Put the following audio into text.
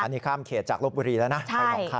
อันนี้ข้ามเขตจากรบบุรีแล้วนะ